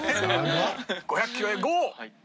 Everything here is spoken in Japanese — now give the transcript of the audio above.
５００キロへゴー！